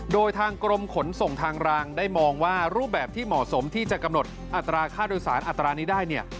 โดยทางกรมขนส่งทางรางได้มองว่ารูปแบบที่เหมาะสมที่จะกำหนดอัตราค่าโดยสารอัตรานี้ได้เนี่ย